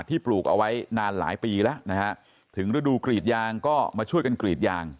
ปลูกเอาไว้นานหลายปีแล้วนะฮะถึงฤดูกรีดยางก็มาช่วยกันกรีดยาง